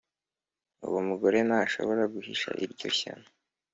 Uwomugore ntashobora guhisha iryo shyano.